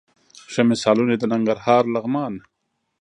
ښه مثالونه یې د ننګرهار، لغمان،